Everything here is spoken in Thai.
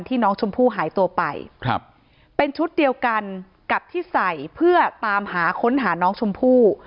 น้องชมพู่หายตัวไปครับเป็นชุดเดียวกันกับที่ใส่เพื่อตามหาค้นหาน้องชมพู่